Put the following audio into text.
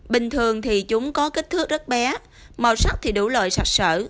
bình thường thì chúng có kích thước rất bé màu sắc thì đủ lợi sạch sở